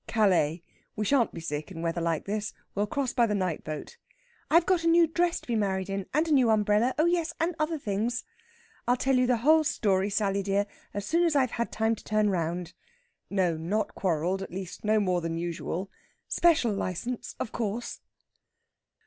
"Calais. We shan't be sick, in weather like this. We'll cross by the night boat." "I've got a new dress to be married in, and a new umbrella oh yes, and other things." "I'll tell you the whole story, Sally dear, as soon as I've had time to turn round." "No not quarrelled at least, no more than usual." "Special licence, of course."